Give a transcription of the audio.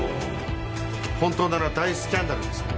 本当なら大スキャンダルですね。